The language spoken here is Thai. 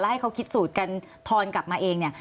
แล้วให้เขาคิดสูตรกันทอนกลับมาเอง